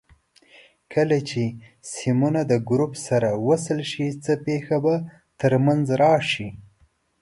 کله چې سیمونه د ګروپ سره وصل شي څه پېښه به تر منځ راشي؟